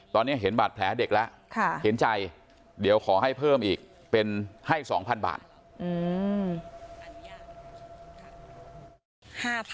ตอนนี้เห็นบาดแผลเด็กแล้วเห็นใจเดี๋ยวขอให้เพิ่มอีกเป็นให้๒๐๐๐บาท